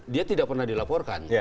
dia tidak pernah dilaporkan